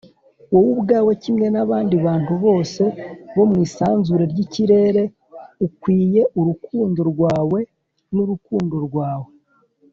“wowe ubwawe, kimwe n'abandi bantu bose bo mu isanzure ry'ikirere, ukwiye urukundo rwawe n'urukundo rwawe.”